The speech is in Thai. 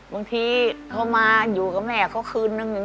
บางทีเขามาอยู่กับแม่เขาคืนนึง